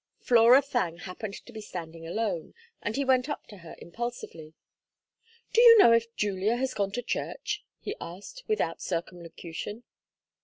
Flora Thangue happened to be standing alone, and he went up to her impulsively. "Do you know if Julia has gone to church?" he asked, without circumlocution.